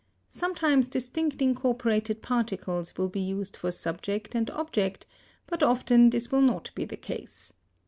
Sometimes distinct incorporated particles will be used for subject and object, but often this will not be the case.